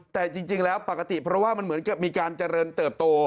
แต่จริงแล้วปกติเพราะว่ามันเหมือนกับมีการเจริญเติบโต